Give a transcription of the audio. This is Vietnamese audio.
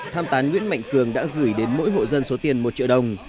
tham tán nguyễn mạnh cường đã gửi đến mỗi hộ dân số tiền một triệu đồng